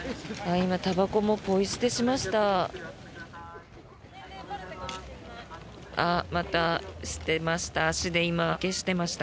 今、たばこもポイ捨てしました。